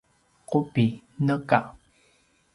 qubi: neka